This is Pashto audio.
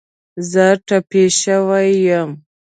زه ټپې شوی یم